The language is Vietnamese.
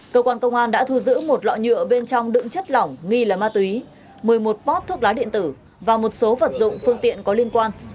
cơ quan công an đã thu giữ một lọ nhựa bên trong đựng chất lỏng nghi là ma túy một mươi một pot thuốc lá điện tử và một số vật dụng phương tiện có liên quan